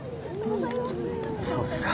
そうですか。